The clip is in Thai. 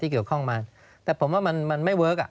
เกี่ยวข้องมาแต่ผมว่ามันไม่เวิร์คอ่ะ